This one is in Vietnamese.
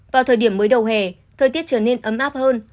vào thời điểm mới đầu hè thời tiết trở nên ấm áp hơn